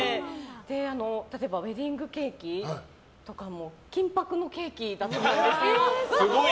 例えばウェディングケーキとかも金箔のケーキだったんです。